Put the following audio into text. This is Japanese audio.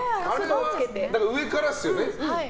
上からですよね。